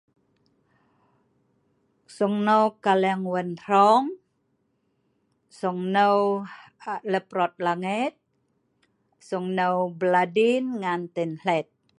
Song nou kaleng wan hrong, song nou Leprot Langet, Song nou Bladin ngan Song nou Ten hlet